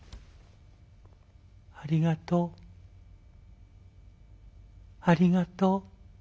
「ありがとう。ありがとう」。